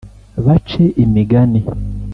bace imigani